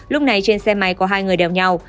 lúc này trên xe máy có hai người đeo nhau